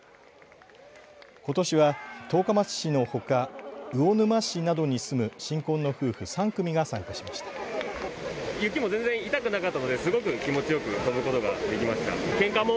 ことしは十日町市のほか、魚沼市などに住む新婚の夫婦３組が参加しました。